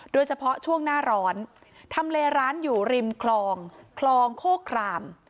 โดยเฉพาะช่วงหน้าร้อนทำเลร้านอยู่ริมคลองคลองโคคราม